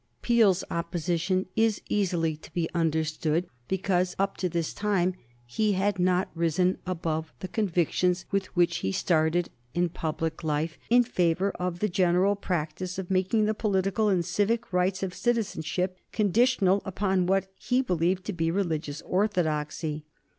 Peel's opposition is easily to be understood, because up to this time he had not risen above the convictions with which he started in public life in favor of the general practice of making the political and civic rights of citizenship conditional upon what he believed to be religious orthodoxy.